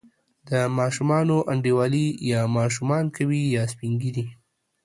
د ماشومانو انډیوالي یا ماشومان کوي، یا سپین ږیري.